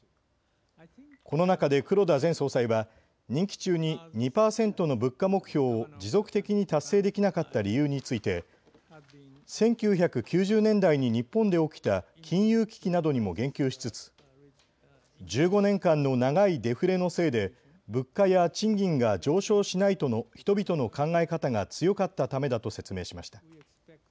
この中で黒田前総裁は任期中に２％の物価目標を持続的に達成できなかった理由について１９９０年代に日本で起きた金融危機などにも言及しつつ１５年間の長いデフレのせいで物価や賃金が上昇しないとの人々の考え方が強かったためだと説明しました。